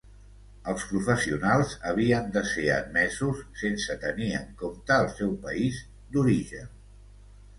Els professionals havien de ser admesos sense tenir-se en compte el seu país d'origen.